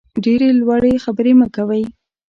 ډېرې لوړې خبرې مه کوئ.